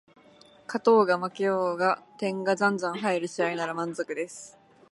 勝とうが負けようが点がじゃんじゃん入る試合なら満足です